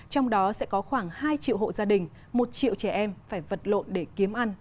trong đó sẽ có khoảng hai triệu hộ gia đình một triệu trẻ em phải vật lộn để kiếm ăn